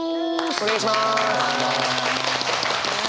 お願いします。